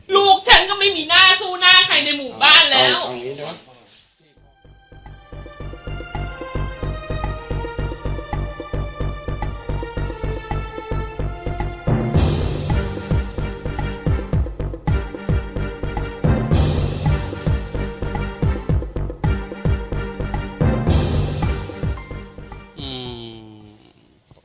ลูกฉันก็ไม่มีหน้าสู้หน้าใครในหมู่บ้านแล้ว